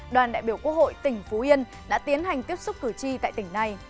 đoàn đại biểu quốc hội tỉnh phú yên đã tiến hành tiếp xúc cử tri tại tỉnh này